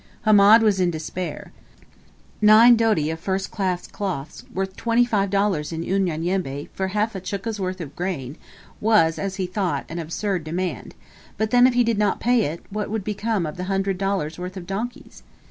Hamed was in despair. Nine doti of first class cloths, worth $25 in Unyanyembe, for half a chukka's worth of grain, was, as he thought, an absurd demand; but then if he did not pay it, what would become of the hundred dollars' worth of donkeys?